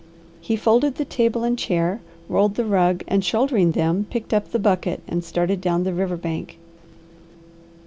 He folded the table and chair, rolled the rug, and shouldering them picked up the bucket and started down the river bank.